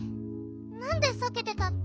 なんでさけてたッピ？